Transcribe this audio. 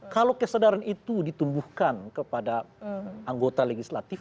kalau kesadaran itu ditumbuhkan kepada anggota legislatif